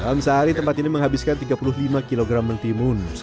dalam sehari tempat ini menghabiskan tiga puluh lima kg mentimun